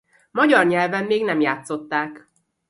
Magyar nyelven még nem játszották.